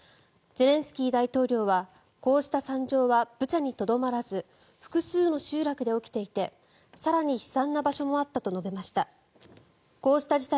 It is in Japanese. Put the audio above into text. ゼレンスキー大統領はこうした惨状はブチャにとどまらず複数の集落で起きていて更に悲惨な場所もあったと述べました。